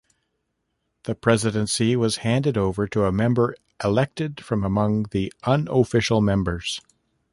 The presidency was handed over to a member elected from among the unofficial members.